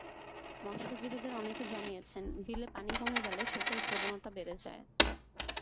মৎস্যজীবীদের অনেকে জানিয়েছেন, বিলে পানি কমে গেলে সেচের প্রবণতা বেড়ে যায়।